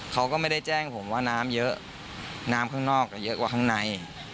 เขาก็ไม่ได้แจ้งผมว่าน้ำเยอะน้ำข้างนอกเยอะกว่าข้างใน